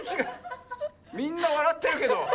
みんなわらってるけど。